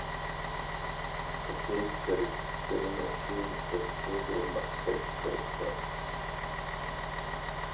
په دې کرکترونو کې تر ټولو مخکښ کرکتر